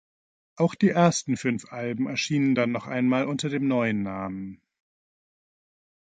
Auch die ersten fünf Alben erschienen dann noch einmal unter dem neuen Namen.